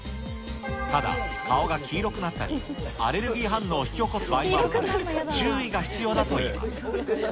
ただ、顔が黄色くなったり、アレルギー反応を引き起こす場合もあるので、注意が必要だといいます。